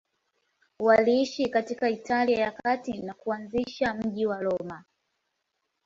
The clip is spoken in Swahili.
Waliishi katika Italia ya Kati na kuanzisha mji wa Roma.